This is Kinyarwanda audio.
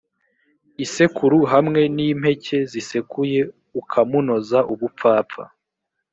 isekuru hamwe n impeke zisekuye ukamunoza ubupfapfa